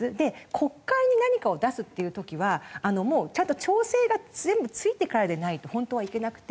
国会に何かを出すっていう時はもうちゃんと調整が全部ついてからでないと本当はいけなくて。